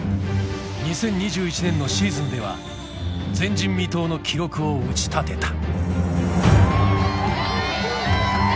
２０２１年のシーズンでは前人未到の記録を打ち立てた。